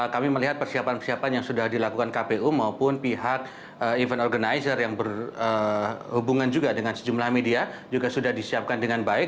kami melihat persiapan persiapan yang sudah dilakukan kpu maupun pihak event organizer yang berhubungan juga dengan sejumlah media juga sudah disiapkan dengan baik